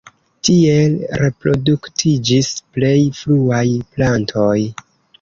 Tiel reproduktiĝis plej fruaj plantoj.